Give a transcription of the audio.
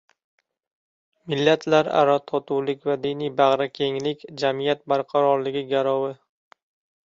Millatlararo totuvlik va diniy bag‘rikenglik – jamiyat barqarorligi garovi